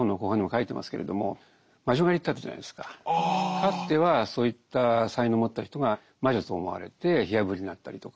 かつてはそういった才能を持った人が魔女と思われて火あぶりにあったりとか。